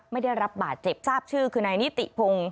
ไม่ได้รับบาดเจ็บทราบชื่อคือนายนิติพงศ์